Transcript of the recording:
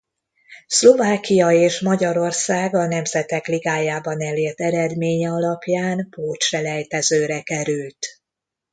Szlovákia és Magyarország a Nemzetek Ligájában elért eredménye alapján pótselejtezőre került.